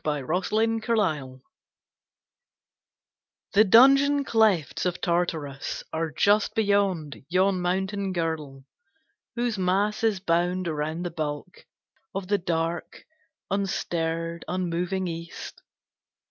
THE RETURN OF HYPERION The dungeon clefts of Tartarus Are just beyond yon mountain girdle, Whose mass is bound around the bulk Of the dark, unstirred, unmoving East.